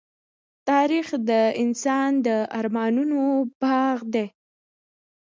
تاریخ د انسان د ارمانونو باغ دی.